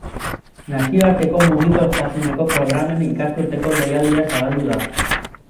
Nazioarteko mugikortasuneko programen ikasturteko deialdia zabaldu da.